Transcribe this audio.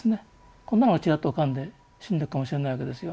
こんなのがちらっと浮かんで死んでいくかもしれないわけですよね。